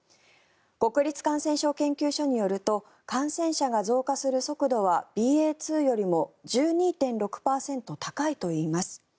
国立感染症研究所によると感染者が増加する速度はＢＡ．２よりも１２．６％高いといいます。